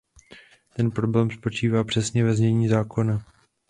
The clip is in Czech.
Ten problém spočívá přesně ve znění zákona.